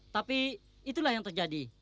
tapi itulah yang terjadi